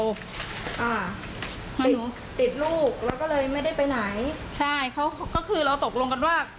หนูติดลูกเราก็เลยไม่ได้ไปไหนใช่เขาก็คือเราตกลงกันว่า